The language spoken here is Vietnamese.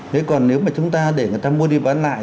thế còn nếu mà chúng ta để người ta muốn đi bán lại